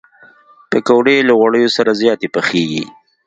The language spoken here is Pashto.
پکورې له غوړیو سره زیاتې پخېږي